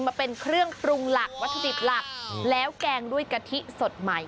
มาเป็นเครื่องปรุงหลักวัตถุดิบหลักแล้วแกงด้วยกะทิสดใหม่